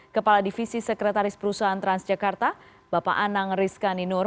kepala divisi sekretaris perusahaan transjakarta bapak anang rizkaninur